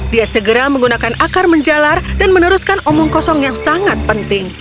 dia segera menggunakan akar menjalar dan meneruskan omong kosong yang sangat penting